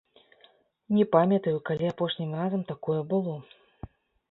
Не памятаю, калі апошнім разам такое было.